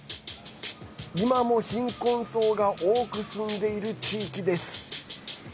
今も貧困層が多く住んでいる地域です。